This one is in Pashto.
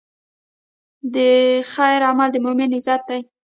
د خیر عمل د مؤمن عزت دی.